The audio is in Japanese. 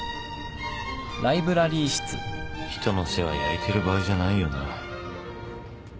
人の世話焼いてる場合じゃないよな。